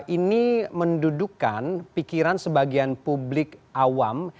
ini mendudukan pikiran sebagian publik awam